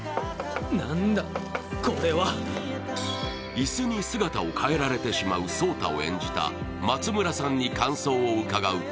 いすに姿を変えられてしまう草太を演じた松村さんに感想を伺うと